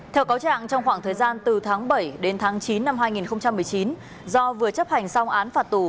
theo cáo trạng trong khoảng thời gian từ tháng bảy đến tháng chín năm hai nghìn một mươi chín do vừa chấp hành xong án phạt tù